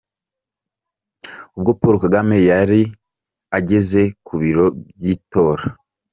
Ubwo Paul Kagame yari ageze ku biro by'itora.